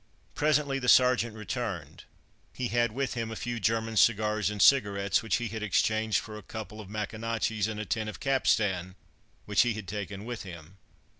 Presently, the sergeant returned. He had with him a few German cigars and cigarettes which he had exchanged for a couple of Maconochie's and a tin of Capstan, which he had taken with him.